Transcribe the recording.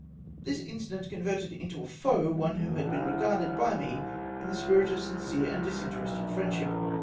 This incident converted into a foe one who had been regarded by me in the spirit of sincere and dis interested friendship.